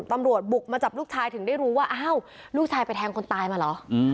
ตำรวจบุกมาจับลูกชายถึงได้รู้ว่าอ้าวลูกชายไปแทงคนตายมาเหรอ